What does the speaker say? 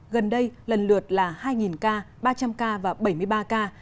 gần đây lần lượt là hai ca ba trăm linh ca và bảy mươi ba ca